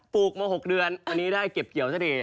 ลูกมา๖เดือนอันนี้ได้เก็บเกี่ยวซะดี